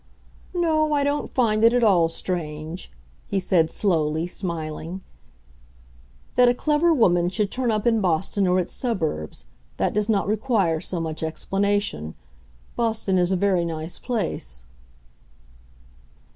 "No, I don't find it at all strange," he said slowly, smiling. "That a clever woman should turn up in Boston, or its suburbs—that does not require so much explanation. Boston is a very nice place."